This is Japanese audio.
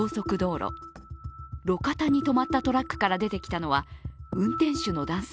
路肩に止まったトラックから出てきたのは運転手の男性。